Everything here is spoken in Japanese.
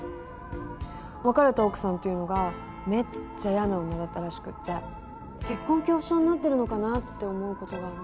別れた奥さんっていうのがめっちゃ嫌な女だったらしくって結婚恐怖症になってるのかなって思う事があるの。